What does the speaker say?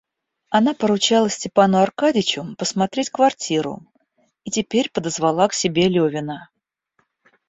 Она поручала Степану Аркадьичу посмотреть квартиру и теперь подозвала к себе Левина.